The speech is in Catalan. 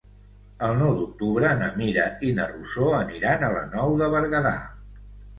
El nou d'octubre na Mira i na Rosó aniran a la Nou de Berguedà.